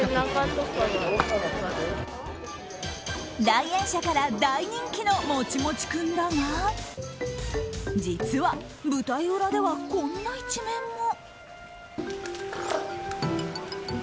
来園者から大人気のもちもち君だが実は、舞台裏ではこんな一面も。